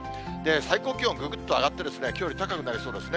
最高気温、ぐぐっと上がってきょうより高くなりそうですね。